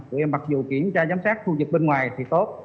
tụi em mặc dù kiểm tra giám sát khu vực bên ngoài thì tốt